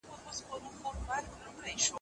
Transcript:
زه به د سوالونو جواب ورکړی وي!.